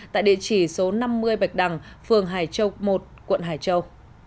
tại địa chỉ số năm mươi bạch đằng phường hải châu một quận hải châu